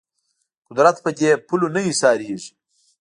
قدرت په دې پولو نه ایسارېږي